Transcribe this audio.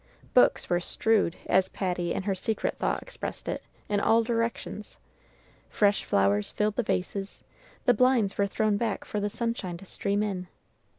Books were "strewed," as Patty in her secret thought expressed it, in all directions; fresh flowers filled the vases; the blinds were thrown back for the sunshine to stream in.